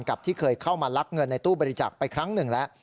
ที่เคยเข้ามาลักเงินในตู้บริจาคไปครั้งหนึ่งแล้ว